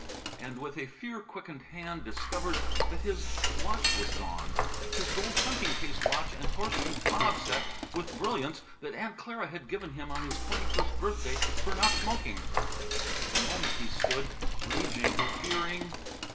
and with a fear quickened hand discovered that his watch was gone, his gold hunting case watch and horseshoe fob set with brilliants, that Aunt Clara had given him on his twenty first birthday for not smoking! A moment he stood, raging, fearing.